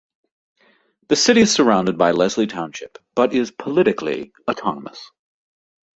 The city is surrounded by Leslie Township, but is politically autonomous.